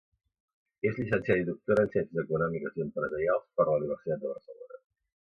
És llicenciada i doctora en Ciències Econòmiques i Empresarials per la Universitat de Barcelona.